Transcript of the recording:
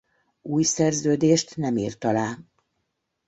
Új szerződést nem írt alá.